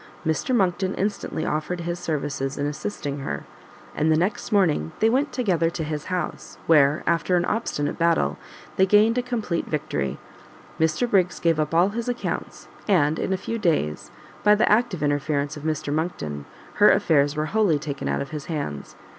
Mr Monckton instantly offered his services in assisting her, and the next morning they went together to his house, where, after an obstinate battle, they gained a complete victory: Mr Briggs gave up all his accounts, and, in a few days, by the active interference of Mr Monckton, her affairs were wholly taken out of his hands.